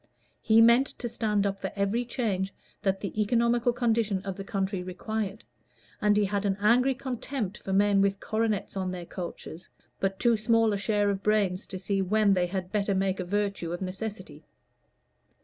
He meant to stand up for every change that the economical condition of the country required, and he had an angry contempt for men with coronets on their coaches, but too small a share of brains to see when they had better make a virtue of necessity.